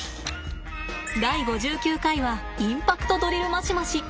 第５９回は「インパクトドリルマシマシ」。